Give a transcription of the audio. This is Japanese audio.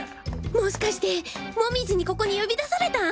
もしかして紅葉にここに呼び出されたん？